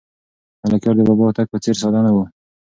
ملکیار د بابا هوتک په څېر ساده نه و.